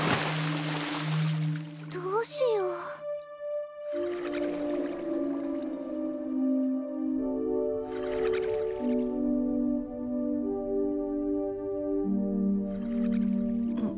どうしよううん？